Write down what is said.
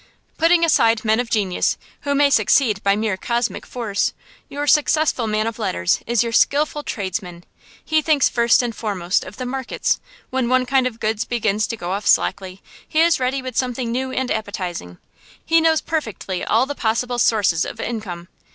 Putting aside men of genius, who may succeed by mere cosmic force, your successful man of letters is your skilful tradesman. He thinks first and foremost of the markets; when one kind of goods begins to go off slackly, he is ready with something new and appetising. He knows perfectly all the possible sources of income.